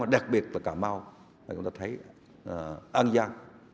mà đặc biệt là cà mau là chúng ta thấy an giang